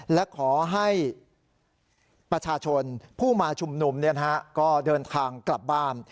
และขอให้ประชาชนผู้มาชุมนุมก็เดินทางกลับบ้าน